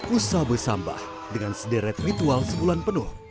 usah besambah dengan sederet ritual sebulan penuh